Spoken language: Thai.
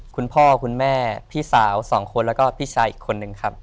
คุณพ่อคุณแม่พี่สาวสองคนแล้วก็พี่ชายอีกคนนึงครับ